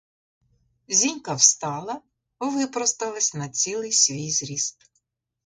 Зінька встала, випросталась на цілий свій зріст.